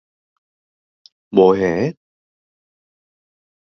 뭐해?